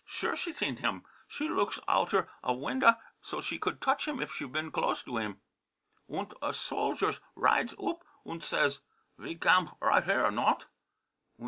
Sure she seen him; she loogs outer a winda' so she could touch him if she been glose to him, unt a soljus rides oop unt says, 'Ve gamp right here, not?'